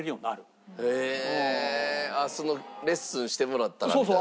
レッスンしてもらったらみたいな？